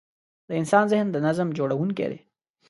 د انسان ذهن د نظم جوړوونکی دی.